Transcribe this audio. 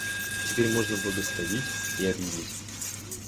Теперь можно благословить и объявить.